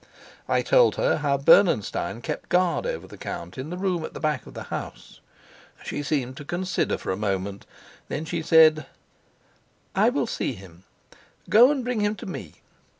I told her how Bernenstein kept guard over the count in the room at the back of the house. She seemed to consider for a moment, then she said: "I will see him. Go and bring him to me.